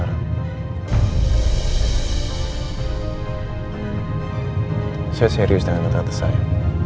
saya serius dengan kata kata saya